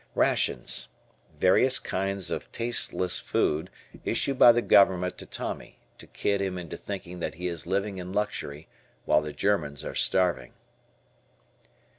Rations. Various kinds of tasteless food issued by the Government to Tommy, to kid him into thinking that he is living in luxury, while the Germans are starving.